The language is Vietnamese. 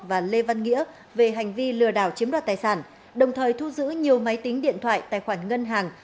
và lê văn nghĩa về hành vi lừa đảo chiếm đoạt tài sản đồng thời thu giữ nhiều máy tính điện thoại tài khoản ngân hàng